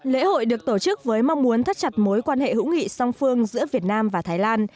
lễ hội được tổ chức với mong muốn thắt chặt mối quan hệ hữu nghị song phương giữa việt nam và thái lan